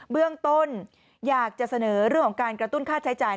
เบื้องต้นอยากจะเสนอเรื่องของการกระตุ้นค่าใช้จ่าย